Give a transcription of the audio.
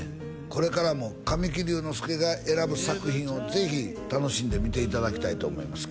これからも神木隆之介が選ぶ作品をぜひ楽しんで見ていただきたいと思います